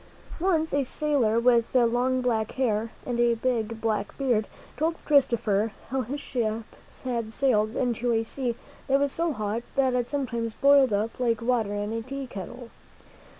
Once a sailor with long black hair and a big black beard told Christopher how his ship had sailed into a sea that was so hot that it sometimes boiled up like water in a tea kettle.